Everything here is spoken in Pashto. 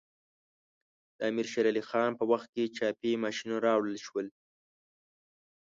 د امیر شیر علی خان په وخت کې چاپي ماشینونه راوړل شول.